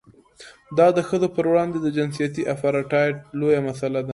دا د ښځو پر وړاندې د جنسیتي اپارټایډ لویه مسله ده.